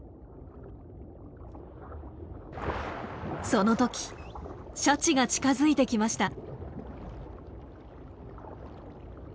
その時シャチが近づいてきました。